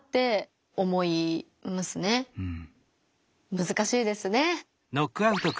むずかしいですね。